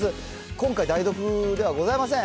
今回、代読ではございません。